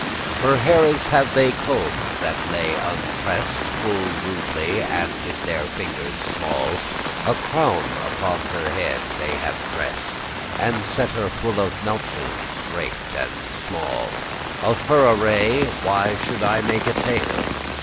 Her haires have they comb'd that lay untress'd* *loose Full rudely, and with their fingers small A crown upon her head they have dress'd, And set her full of nouches <7> great and small: Of her array why should I make a tale?